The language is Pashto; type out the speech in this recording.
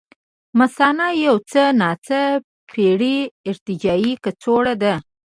مثانه یو څه ناڅه پېړه ارتجاعي کڅوړه ده.